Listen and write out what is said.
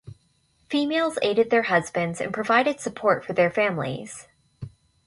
Females aided their husbands and provided support for their families.